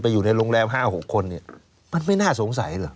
อยู่ในโรงแรม๕๖คนเนี่ยมันไม่น่าสงสัยเหรอ